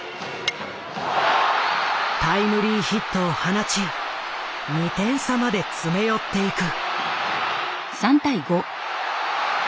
タイムリーヒットを放ち２点差まで詰め寄っていく。